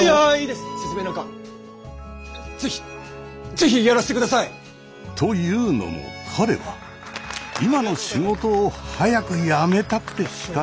是非やらせてください！というのも彼は今の仕事を早く辞めたくてしかたなかった。